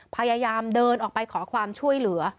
พยายามเดินออกไปขอความช่วยเหลือ